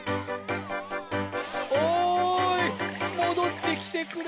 おいもどってきてくれ。